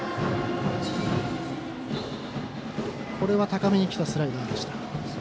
高めにきたスライダーでした。